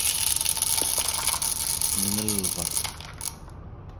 nengelvak